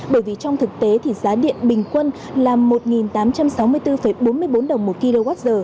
bởi vì trong thực tế thì giá điện bình quân là một tám trăm sáu mươi bốn bốn mươi bốn đồng một kwh